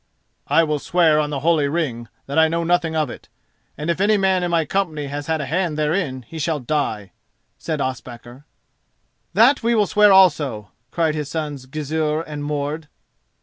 "I will swear on the holy ring that I know nothing of it, and if any man in my company has had a hand therein he shall die," said Ospakar. "That we will swear also," cried his sons Gizur and Mord.